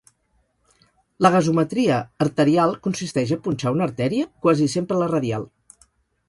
La gasometria arterial consisteix a punxar una artèria, quasi sempre la radial.